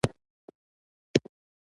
مجاهد د خپل هدف قرباني دی.